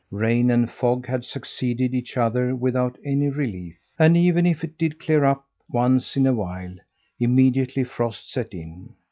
Rain and fog had succeeded each other without any relief, and even if it did clear up once in a while, immediately frost set in.